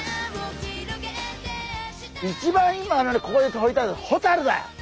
一番今ここでとりたいのはホタルだよ！